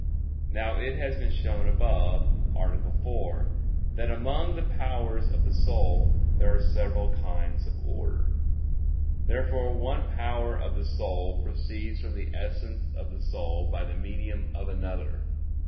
Now it has been shown above (A. 4) that among the powers of the soul there are several kinds of order. Therefore one power of the soul proceeds from the essence of the soul by the medium of another.